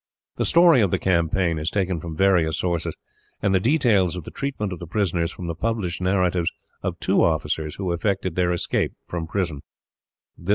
The story of the campaign is taken from various sources, and the details of the treatment of the prisoners from the published narratives of two officers who effected their escape from prisons.